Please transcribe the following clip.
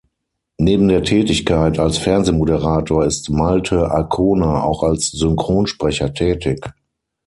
Neben der Tätigkeit als Fernsehmoderator ist Malte Arkona auch als Synchronsprecher tätig.